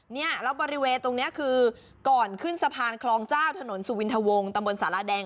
เนี่ยแล้วบริเวณตรงนี้คือก่อนขึ้นสะพานคลองเจ้าถนนสุวินทวงตะบนสาราแดง